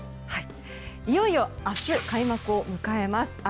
いよいよ明日開幕を迎えます。